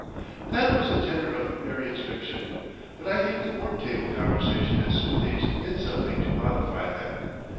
That was the tenor of Marion's fiction; but I think the work table conversation at Smithie's did something to modify that.